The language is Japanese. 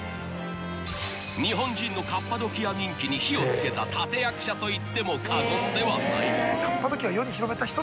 ［日本人のカッパドキア人気に火をつけた立役者といっても過言ではない］